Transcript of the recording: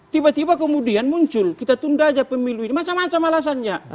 tiba tiba kemudian muncul kita tunda aja pemilu ini macam macam alasannya